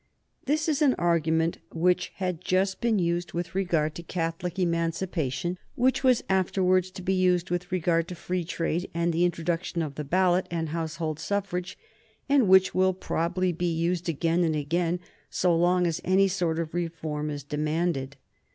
This is an argument which had just been used with regard to Catholic Emancipation; which was afterwards to be used with regard to free trade and the introduction of the ballot and household suffrage; and which will probably be used again and again so long as any sort of reform is demanded.